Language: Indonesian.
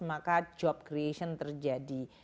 maka job creation terjadi